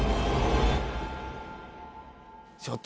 「ちょっと！